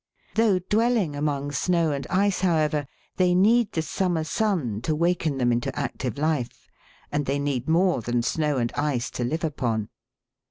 Though dwelling among snow and ice, however, they need the summer sun to waken them into active life, and they need more than snow and ice to live upon.